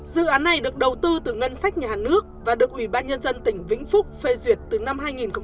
dự án này được đầu tư từ ngân sách nhà nước và được ủy ban nhân dân tỉnh vĩnh phúc phê duyệt từ năm hai nghìn một mươi một